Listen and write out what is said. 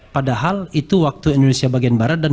padahal itu waktu indonesia bagian barat